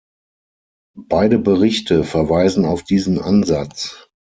Beide Berichte verweisen auf diesen Ansatz.